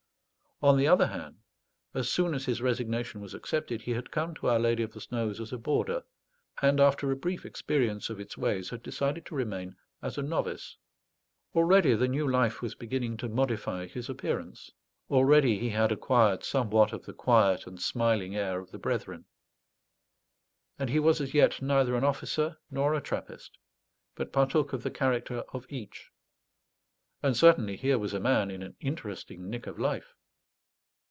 On the other hand, as soon as his resignation was accepted, he had come to Our Lady of the Snows as a boarder, and, after a brief experience of its ways, had decided to remain as a novice. Already the new life was beginning to modify his appearance; already he had acquired somewhat of the quiet and smiling air of the brethren; and he was as yet neither an officer nor a Trappist, but partook of the character of each. And certainly here was a man in an interesting nick of life.